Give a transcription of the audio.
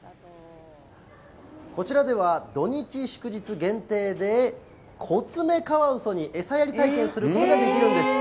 こちらでは、土日祝日限定でコツメカワウソに餌やり体験をすることができるんです。